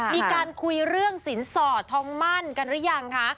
มีการคุยเรื่องสินสอดทองมั่นกันหรือยังคะ